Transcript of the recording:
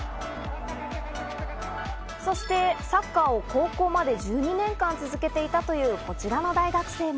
そしてサッカーを高校まで１２年間、続けていたというこちらの大学生も。